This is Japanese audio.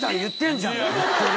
言ってる。